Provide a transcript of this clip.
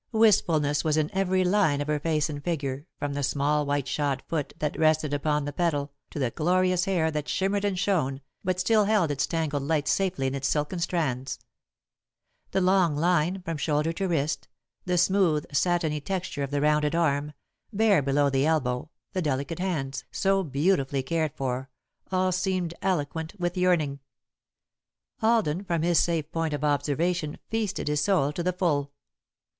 Wistfulness was in every line of her face and figure, from the small white shod foot that rested upon the pedal to the glorious hair that shimmered and shone but still held its tangled lights safely in its silken strands. The long line from shoulder to wrist, the smooth, satiny texture of the rounded arm, bare below the elbow, the delicate hands, so beautifully cared for, all seemed eloquent with yearning. Alden, from his safe point of observation, feasted his soul to the full.